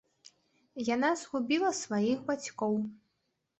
Яна згубіла сваіх бацькоў.